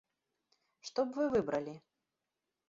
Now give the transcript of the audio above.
Што б вы выбралі?